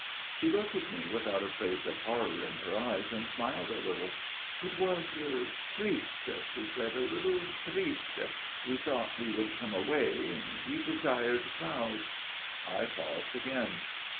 " She looked at me without a trace of horror in her eyes, and smiled a little. "' It was triste,' she said, ' a little tristc. We thought we would come away ; we desired crowds. '*' I paused again.